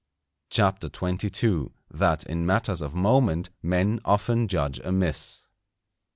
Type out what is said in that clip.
CHAPTER XXII.—_That in matters of moment Men often judge amiss.